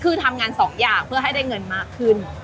คือทำงานสองอย่างเพื่อให้ได้เงินมากขึ้น